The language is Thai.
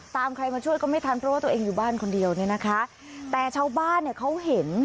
ใครมาช่วยก็ไม่ทันเพราะว่าตัวเองอยู่บ้านคนเดียวเนี่ยนะคะแต่ชาวบ้านเนี่ยเขาเห็น